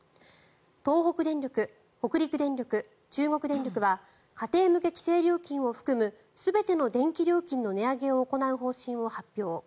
東北電力、北陸電力、中国電力は家庭向け規制料金を含む全ての電気料金の値上げを行う方針を発表。